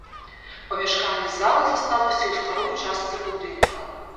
Памяшканне залы засталося ў старой частцы будынка.